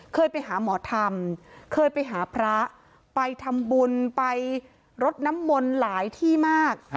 เคยไปหาหมอธรรมเคยไปหาพระไปทำบุญไปรดน้ำมนต์หลายที่มาก